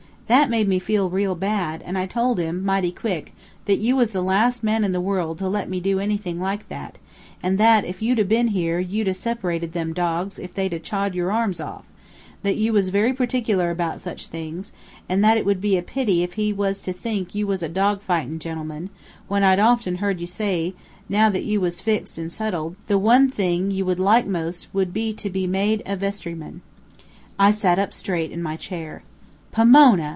That made me feel real bad, and I told him, mighty quick, that you was the last man in the world to let me do anything like that, and that, if you'd 'a' been here, you'd 'a' separated them dogs, if they'd a chawed your arms off; that you was very particular about such things; and that it would be a pity if he was to think you was a dog fightin' gentleman, when I'd often heard you say that, now you was fixed an' settled, the one thing you would like most would be to be made a vestryman." I sat up straight in my chair. "Pomona!"